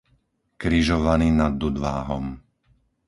Križovany nad Dudváhom